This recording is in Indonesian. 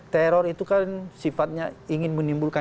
teror itu kan sifatnya ingin menimbulkan